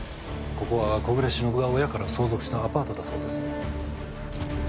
ここは小暮しのぶが親から相続したアパートだそうです。